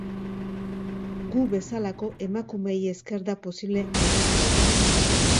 Gu bezalako emakumeei esker da posible aldaketa.